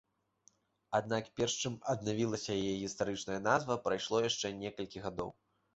Аднак перш чым аднавілася яе гістарычная назва прайшло яшчэ некалькі гадоў.